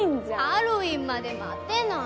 ハロウィーンまで待てない。